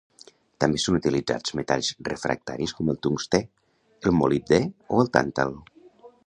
També són utilitzats metalls refractaris com el tungstè, el molibdè o el tàntal.